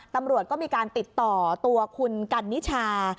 ตำรวจก็มีการติดต่อตัวคุณกันนิชา